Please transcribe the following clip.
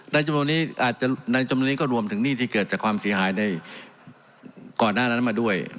ในจุดนี้ก็รวมถึงหนี้ที่เกิดจากความเสียหายในก่อนหน้านั้นมาด้วย